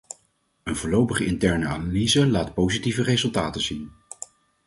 Een voorlopige interne analyse laat positieve resultaten zien.